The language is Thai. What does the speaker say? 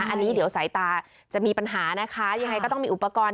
อันนี้เดี๋ยวสายตาจะมีปัญหานะคะยังไงก็ต้องมีอุปกรณ์